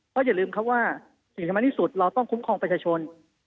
เพราะอย่าลืมครับว่าสิ่งที่มันนิสุทธิ์เราต้องคุ้มครองประชาชน